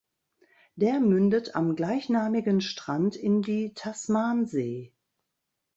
Der mündet am gleichnamigen Strand in die Tasmansee.